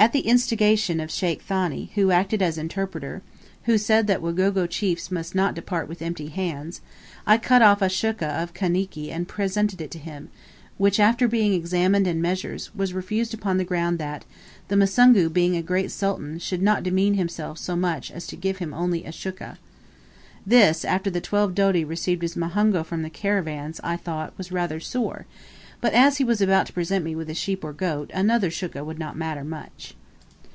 At the instigation of Sheikh Thani, who acted as interpreter, who said that Wagogo chiefs must not depart with empty hands, I cut off a shukka of Kaniki and presented it to him, which, after being examined and measured, was refused upon the ground that, the Musungu being a great sultan should not demean himself so much as to give him only a shukka. This, after the twelve doti received as muhongo from the caravans, I thought, was rather sore; but as he was about to present me with a sheep or goat another shukka would not matter much.